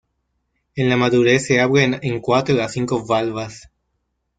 En la madurez se abren en cuatro a cinco valvas.